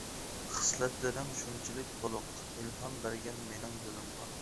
خىسلەتلىرىڭ شۇنچىلىك تۇلۇق، ئىلھام بەرگەن مىنىڭ دىلىمغا.